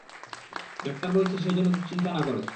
Doctor বলেছে সে যেন দুশ্চিন্তা না করে।